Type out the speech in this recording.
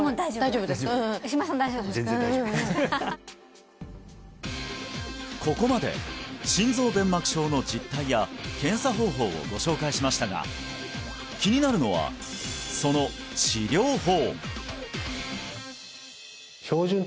全然大丈夫ここまで心臓弁膜症の実態や検査方法をご紹介しましたが気になるのはその治療法